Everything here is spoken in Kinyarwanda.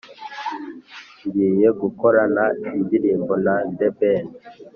Ngiye gukorana indirimbo na The ben